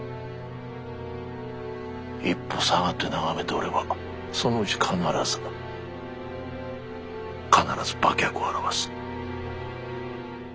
一歩下がって眺めておればそのうち必ず必ず馬脚を現す。